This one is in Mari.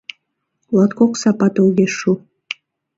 Латкок сапат огеш шу.